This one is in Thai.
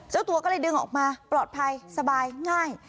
เจ้าตัวก็เลยดึงออกมาปลอดภัยสบายง่าย